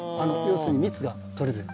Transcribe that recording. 要するに蜜が取れてる。